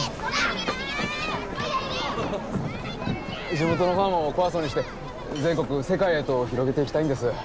地元のファンをコア層にして全国世界へと広げていきたいんです。